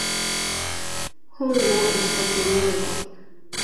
本を一冊読み終えた。